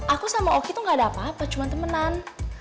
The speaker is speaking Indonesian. aku sama oki tuh gak ada apa apa cuma temenan